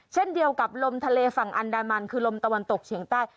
เช่นเดียวกับลมทะเลฝั่งอันดามันคือลมตะวันตกเฉียงใต้